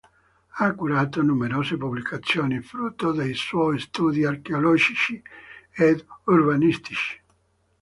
Ha curato numerose pubblicazioni, frutto dei suoi studi archeologici ed urbanistici.